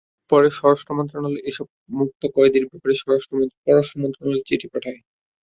পরে স্বরাষ্ট্র মন্ত্রণালয় এসব মুক্ত কয়েদির ব্যাপারে পররাষ্ট্র মন্ত্রণালয়ে চিঠি পাঠায়।